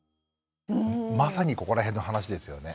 まさにここら辺の話ですよね。